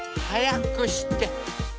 はやくして。